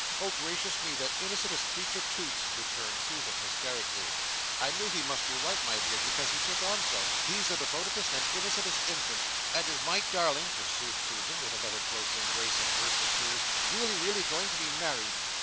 "Oh gracious me! that innocentest creetur Toots," returned Susan hysterically. "I knew he must be right my dear, because he took on so. He's the devotedest and innocentest infant! And is my darling," pursued Susan, with another close embrace and burst of tears, "really really going to be married!"